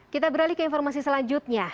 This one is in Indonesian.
kita beralih ke informasi selanjutnya